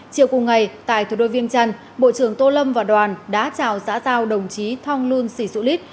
chiều cùng ngày tại thủ đô viêng trần bộ trưởng tô lâm và đoàn đã chào xã giao đồng chí thonglun sisulit